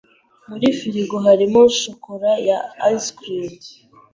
Muri firigo harimo shokora ya ice cream.